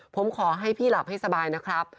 ผมขอให้พี่หลับให้สบายนะครับ